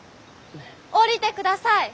下りてください！